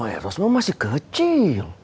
dedeknya maeros emang masih kecil